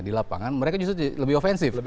di lapangan mereka justru lebih offensif